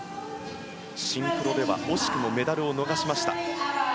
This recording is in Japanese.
シンクロでは惜しくもメダルを逃しました。